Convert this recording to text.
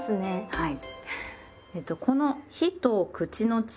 はい。